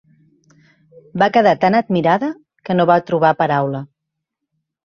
Va quedar tan admirada, que no va trobar paraula